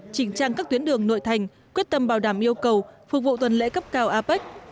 chỉnh trang các tuyến đường nội thành quyết tâm bảo đảm yêu cầu phục vụ tuần lễ cấp cao apec